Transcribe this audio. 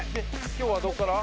今日はどこから？